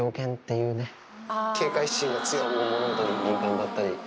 警戒心が強い、物音に敏感だったり。